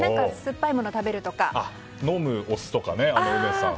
飲むお酢とか結構、梅津さん。